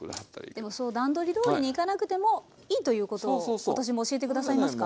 でもそう段取りどおりにいかなくてもいいということを今年も教えて下さいますか？